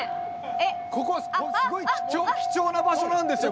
ここすごい貴重な場所なんですよ。